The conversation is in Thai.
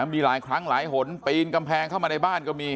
มีหลายครั้งหลายหนปีนกำแพงเข้ามาในบ้านก็มี